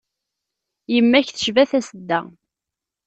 Yemma-k tecba tasedda.